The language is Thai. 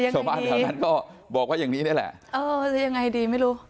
ชาวบ้านแถวนั้นก็บอกว่าอย่างนี้นี่แหละเออจะยังไงดีไม่รู้